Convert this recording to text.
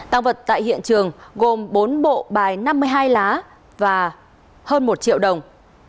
tăng vật tại hiện trường gồm bốn bộ bài năm mươi hai lá và hơn một triệu đồng